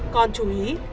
con chú ý